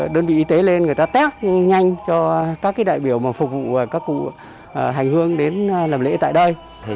đơn vị y tế lên người ta test nhanh cho các đại biểu mà phục vụ các cụ hành hương đến làm lễ tại đây